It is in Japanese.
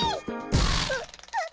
あっ。